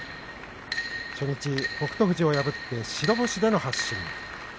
初日、北勝富士を破って白星での発進。